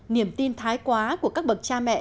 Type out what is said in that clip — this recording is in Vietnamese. niềm tin thái quá của các bậc cha mẹ